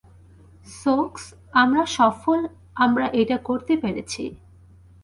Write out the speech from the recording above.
সোকস, আমরা সফল, আমরা এটা করতে পেরেছি!